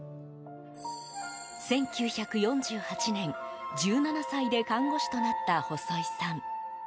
１９４８年、１７歳で看護師となった細井さん。